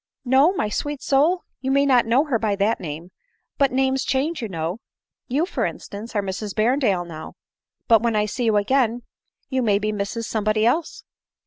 " No, my sweet soul ? You may not know her by that name ; but names change, you know. You, for instance, are Mrs Berrendale now, but when I see you again you may be Mrs somebody else."